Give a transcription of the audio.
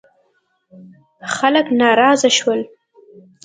خلک ناراضه شول.